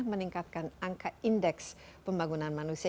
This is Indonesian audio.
meningkatkan angka indeks pembangunan manusia